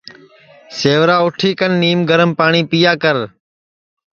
سیوا اُٹھی کن نیم گرم پاٹؔی پیا کر